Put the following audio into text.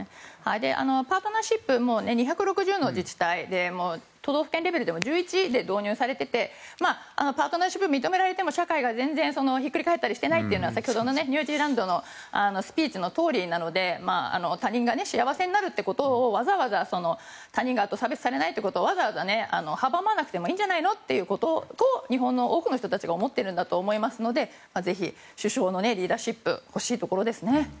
パートナーシップも２６０の自治体で都道府県レベルでも１１で導入されていてパートナーシップを認められても社会が全然ひっくり返っていないというのは先ほどのニュージーランドのスピーチのとおりなので他人が幸せになるということをわざわざ阻まなくてもいいんじゃないのということを日本の多くの人たちが思っていると思いますのでぜひ首相のリーダーシップ欲しいところですね。